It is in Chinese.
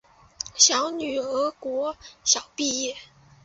小女儿国小毕业